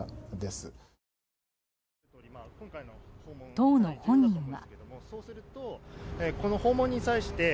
当の本人は。